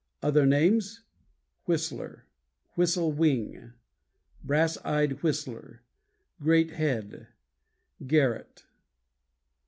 Other names: Whistler, Whistle Wing, Brass eyed Whistler, Great Head, Garrot.